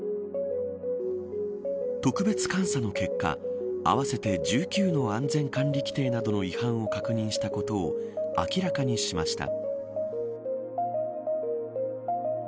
特別監査の結果、合わせて１９の安全管理規程などの違反を確認したことを明らかにしました。